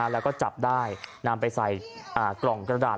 แล้วก็จับได้นำไปใส่กล่องกระดาษ